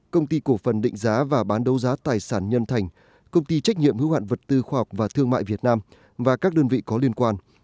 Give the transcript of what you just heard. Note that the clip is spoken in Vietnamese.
công ty cổ phần định giá và bán đấu giá tài sản nhân thành công ty trách nhiệm hữu hoạn vật tư khoa học và thương mại việt nam và các đơn vị có liên quan